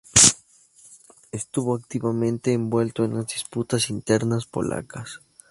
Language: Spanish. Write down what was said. Estuvo activamente envuelto en las disputas internas polacas.